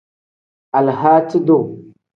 Alahaaci-duu.